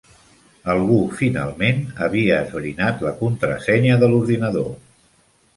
Algú finalment havia esbrinat la contrasenya de l'ordinador.